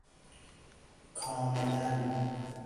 کاملا ً